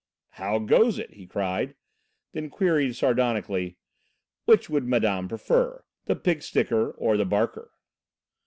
"How goes it?" he cried, then queried, sardonically: "Which would madame prefer, the pig sticker or the barker?"